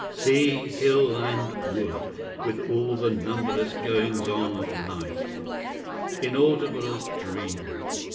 Sea, and hill, and wood, With all the numberless goings on of life, Inaudible as dreams!